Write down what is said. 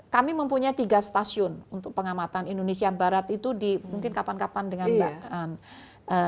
kami mempunyai tiga stasiun untuk pengamatan indonesia barat itu mungkin kapan kapan dengan mbak anne